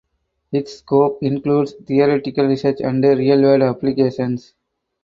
Its scope includes theoretical research and real world applications.